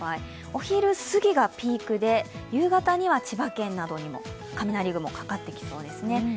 お昼すぎがピークで夕方には千葉県などにも雷雲がかかってきそうですね。